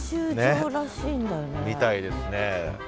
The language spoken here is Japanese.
みたいですね。